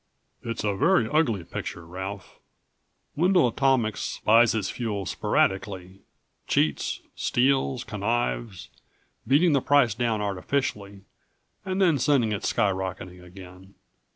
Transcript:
"It's a very ugly picture, Ralph. Wendel Atomics buys its fuel sporadically, cheats, steals, connives, beating the price down artificially and then sending it skyrocketing again.